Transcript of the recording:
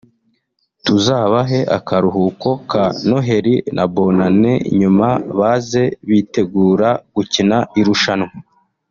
tuzabahe akaruhuko ka Noheli na Bonane nyuma baze bitegura gukina irushanwa